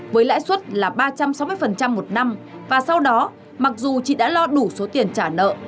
với lãi suất là ba trăm sáu mươi một năm và sau đó mặc dù chị đã lo đủ số tiền trả nợ